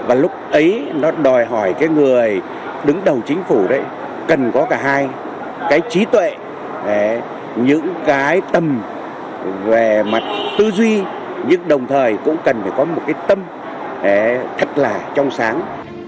và lúc ấy nó đòi hỏi cái người đứng đầu chính phủ cần có cả hai cái trí tuệ những cái tầm về mặt tư duy nhưng đồng thời cũng cần phải có một cái tâm thật là trong sáng